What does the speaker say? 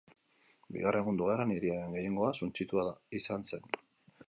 Bigarren Mundu Gerran hiriaren gehiengoa suntsitua izan zen.